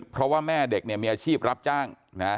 เพราะว่าแม่เด็กเนี่ยมีอาชีพรับจ้าง